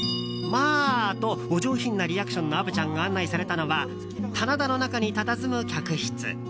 まあと、お上品なリアクションの虻ちゃんが案内されたのは棚田の中にたたずむ客室。